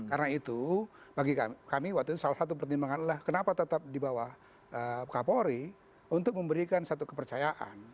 karena itu bagi kami waktu itu salah satu pertimbangan adalah kenapa tetap di bawah kapolri untuk memberikan satu kepercayaan